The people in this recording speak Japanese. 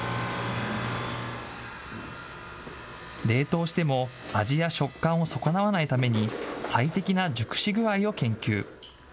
冷凍しても、味や食感を損なわないために、最適な熟し具合を研究。